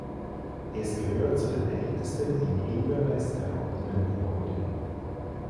Es gehört zu den ältesten in Inverness erhaltenen Gebäuden.